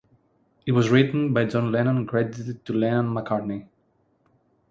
It was written by John Lennon and credited to Lennon-McCartney.